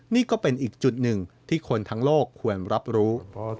นี่ก็เป็นอีกจุดหนึ่งที่คนทั้งโลกควรรับรู้